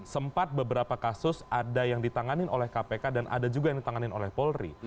sempat beberapa kasus ada yang ditanganin oleh kpk dan ada juga yang ditanganin oleh polri